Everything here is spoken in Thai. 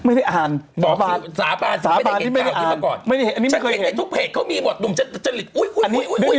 บอกสาบานไม่ได้เข็นข่าวอีกมาก่อนฉันเห็นในทุกเพจมีบอกหนุ่มจะลิดอุ้ยทำไม